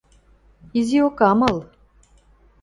Изиок ам ыл.